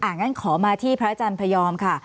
งั้นขอมาที่พระอาจารย์พยอมค่ะ